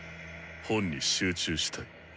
本に集中したい。